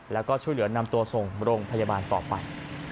แล้วก็ช่วยเหลือนำตัวส่งโรงพยาบาลต่อไป